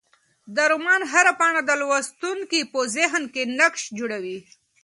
د رومان هره پاڼه د لوستونکي په ذهن کې نقش جوړوي.